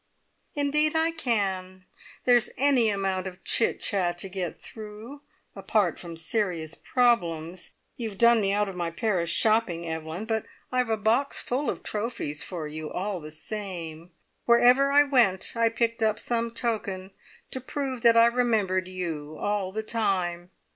"Indeed I can. There's any amount of chit chat to get through, apart from serious problems. You have done me out of my Paris shopping, Evelyn, but I've a box full of trophies for you all the same. Wherever I went, I picked up some token to prove that I remembered you all the time."